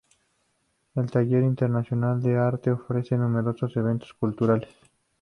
El Taller Internacional de Arte ofrece numerosos eventos culturales.